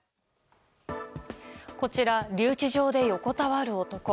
こちら、留置所で横たわる男。